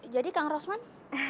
jadi kang rosman